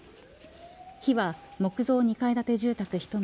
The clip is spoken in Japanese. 火は木造２階建て住宅１棟